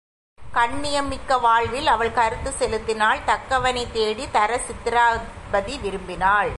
கண்ணியம் மிக்க வாழ்வில் அவள் கருத்துச் செலுத்தினாள் தக்கவனைத் தேடித் தரச் சித்திராபதி விரும்பினாள்.